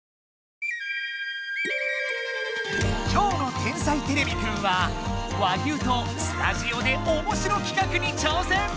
きょうの「天才てれびくん」は和牛とスタジオでおもしろ企画に挑戦！